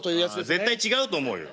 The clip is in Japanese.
絶対違うと思うよ。